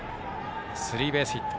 スリーベースヒット。